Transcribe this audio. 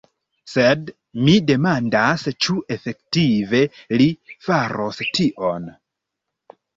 Sed mi demandas ĉu efektive li faros tion?